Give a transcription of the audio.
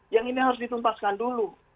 yang ini harus dituntaskan dulu